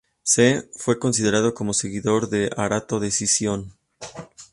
C.. Fue considerado como seguidor de Arato de Sición.